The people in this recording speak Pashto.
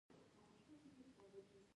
بیا د ضروري معلوماتو راټولول دي.